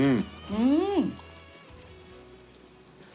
うん！